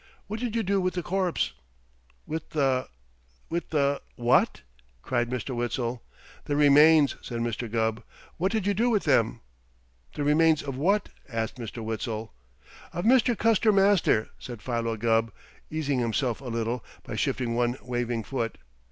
What did you do with the corpse?" "With the with the what?" cried Mr. Witzel. "The remains," said Mr. Gubb. "What did you do with them?" "The remains of what?" asked Mr. Witzel. "Of Mister Custer Master," said Philo Gubb, easing himself a little by shifting one waving foot.